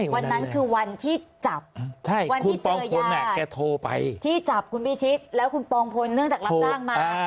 วันนั้นคือวันที่จับวันที่ปองพลแกโทรไปที่จับคุณพิชิตแล้วคุณปองพลเนื่องจากรับจ้างมา